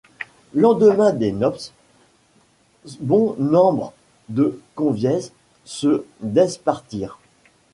Lendemain des nopces, bon numbre de conviez se despartirent.